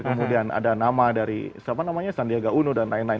kemudian ada nama dari sandiaga uno dan lain lain